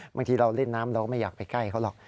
บางทีเราเล่นน้ำเราก็ไม่อยากไปใกล้เขาหรอก